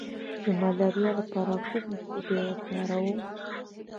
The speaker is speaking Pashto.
د ملاریا لپاره کوم بوټی وکاروم؟